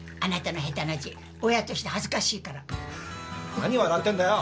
何笑ってるんだよ！